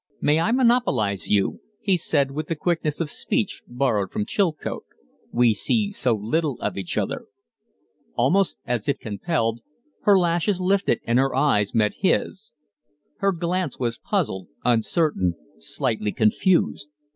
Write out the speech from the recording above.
"May I monopolize you?" he said, with the quickness of speech borrowed from Chilcote. "We see so little of each other." Almost as if compelled, her lashes lifted and her eyes met his. Her glance was puzzled, uncertain, slightly confused.